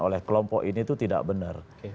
oleh kelompok ini itu tidak benar